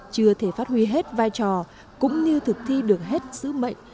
chưa thể phát huy hết vai trò cũng như thực thi được hết sứ mệnh